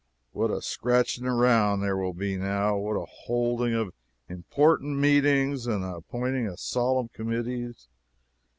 What a scratching around there will be, now! what a holding of important meetings and appointing of solemn committees!